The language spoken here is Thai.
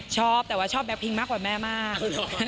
ชอบแต่ว่าชอบแก๊พิงมากกว่าแม่มาก